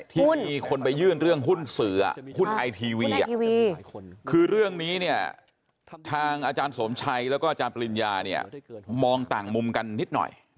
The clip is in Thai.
ต้องต่างมุมกันนิดหน่อยนะครับ